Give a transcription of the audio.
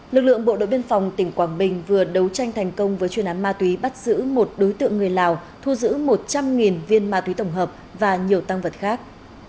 lực lượng bộ đội biên phòng tỉnh quảng bình vừa đấu tranh thành công với chuyên án ma túy bắt giữ một đối tượng người lào thu giữ một trăm linh viên ma túy tổng hợp và nhiều tăng vật khác